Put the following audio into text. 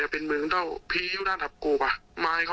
คือเราเคยค้างเขาถูกไหม